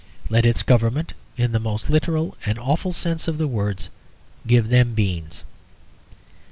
Let its government, in the most literal and awful sense of the words, give them beans.